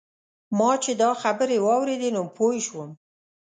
ما چې دا خبرې واورېدې نو پوی شوم.